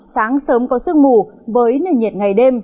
sáng sớm có sương mù với nền nhiệt ngày đêm